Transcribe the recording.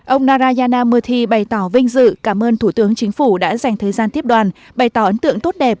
ông narayana mothi bày tỏ vinh dự cảm ơn thủ tướng chính phủ đã dành thời gian tiếp đoàn bày tỏ ấn tượng tốt đẹp